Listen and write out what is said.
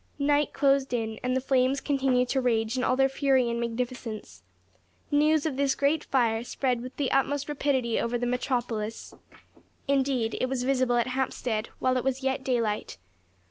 Night closed in, and the flames continued to rage in all their fury and magnificence. News of this great fire spread with the utmost rapidity over the metropolis. Indeed, it was visible at Hampstead while it was yet daylight.